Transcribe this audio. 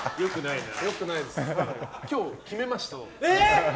今日決めました。